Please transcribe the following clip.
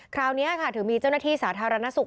คราวนี้ค่ะถึงมีเจ้าหน้าที่สาธารณสุข